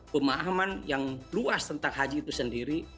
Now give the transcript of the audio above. pemahaman yang luas tentang haji itu sendiri